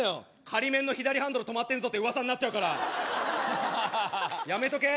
仮免の左ハンドル止まってんぞって噂になっちゃうからやめとけ